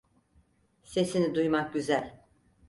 Sesini duymak güzel.